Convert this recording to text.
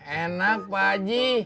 enak pak ji